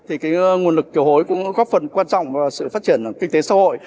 thì cái nguồn lực kiều hối cũng góp phần quan trọng vào sự phát triển kinh tế xã hội